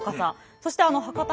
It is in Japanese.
そして博多